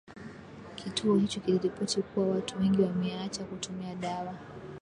kituo hicho kiliripoti kuwa watu wengi wameacha kutumia dawa